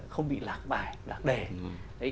không bị lạc bài lạc đề